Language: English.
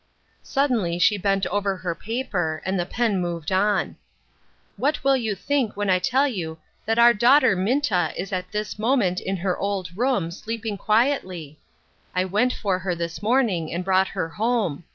Suddenly she bent over her paper, and the pen moved on. " What will you think when I tell you that our daughter Minta is at this moment in her old room, sleeping quietly ? I went for her this morning and brought her home.